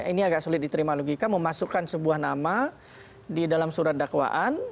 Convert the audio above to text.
ini agak sulit diterima logika memasukkan sebuah nama di dalam surat dakwaan